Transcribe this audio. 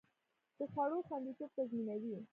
د خوړو خوندیتوب تضمینوي.